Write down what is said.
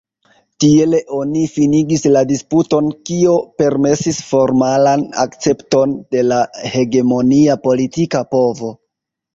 Tiele oni finigis la disputon, kio permesis formalan akcepton de la hegemonia politika povo.